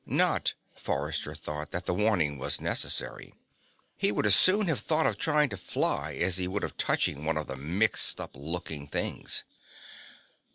Not, Forrester thought, that the warning was necessary. He would as soon have thought of trying to fly as he would of touching one of the mixed up looking things.